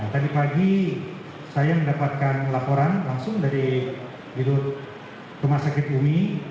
tadi pagi saya mendapatkan laporan langsung dari bidul kemasakit uni